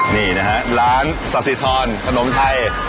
นี่ล้านซาสิททรขนมไทย